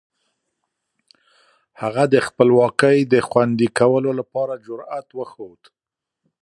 هغه د خپلواکۍ د خوندي کولو لپاره جرئت وښود.